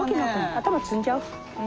頭摘んじゃう？